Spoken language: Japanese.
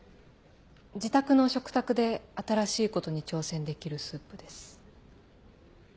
自宅の食卓で新しいことに挑戦できるスープです。